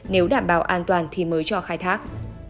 nếu đảm bảo an toàn thì mới cho khai thác